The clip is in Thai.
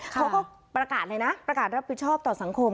เขาก็ประกาศเลยนะประกาศรับผิดชอบต่อสังคม